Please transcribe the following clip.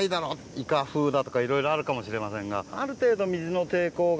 イカ風だとかいろいろあるかもしれませんがある程度。